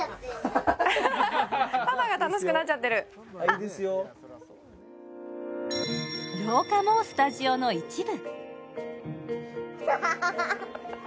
パパが楽しくなっちゃってる廊下もスタジオの一部はははは！